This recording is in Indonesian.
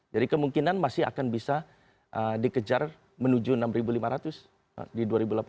jadi kemungkinan masih akan bisa dikejar menuju enam ribu lima ratus di dua ribu delapan belas